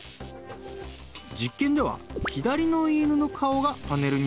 実験では左の犬の顔がパネルについた瞬間